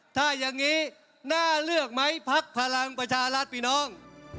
ถ้าอย่างนี้น่าเลือกไหมพักพลังประชารัฐพี่น้อง